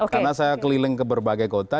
karena saya keliling ke berbagai kota